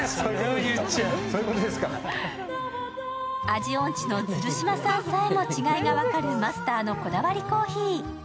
味音痴のズル嶋さんさえも違いが分かるマスターのこだわりコーヒー。